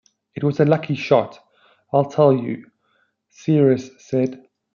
"It was a lucky shot, I'll tell you," Spheeris said.